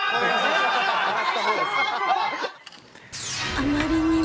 あまりにも。